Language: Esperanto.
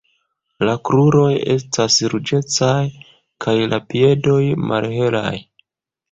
La kruroj estas ruĝecaj kaj la piedoj malhelaj.